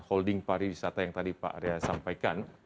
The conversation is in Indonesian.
holding pariwisata yang tadi pak arya sampaikan